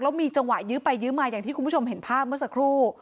แล้วมีจังหวะยื้อไปยื้อมาอย่างที่คุณผู้ชมเห็นภาพเมื่อสักครู่